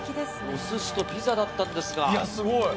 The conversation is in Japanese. お寿司とピザだったんですが。